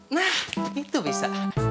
nah itu bisa